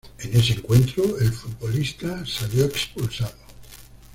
En ese encuentro, el futbolista salió expulsado.